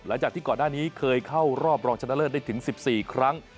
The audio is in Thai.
หลังจากที่ก่อนหน้านี้เคยเข้ารอบรองชนะเลิศได้ถึง๑๔ครั้ง